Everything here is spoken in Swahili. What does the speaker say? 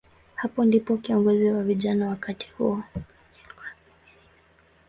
Hapo ndipo kiongozi wa vijana wakati huo, Bw.